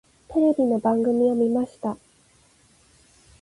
テレビの番組を見ました。